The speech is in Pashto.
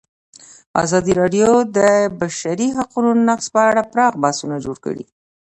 ازادي راډیو د د بشري حقونو نقض په اړه پراخ بحثونه جوړ کړي.